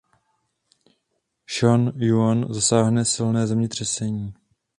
San Juan zasáhne silné zemětřesení.